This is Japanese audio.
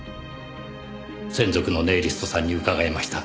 専属のネイリストさんに伺いました。